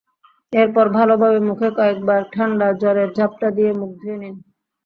এরপর ভালোভাবে মুখে কয়েকবার ঠান্ডা জলের ঝাপটা দিয়ে মুখ ধুয়ে নিন।